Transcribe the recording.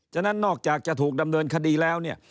ฉะนั้นนอกจากจะถูกดำเนินคดีแล้วเนี่ย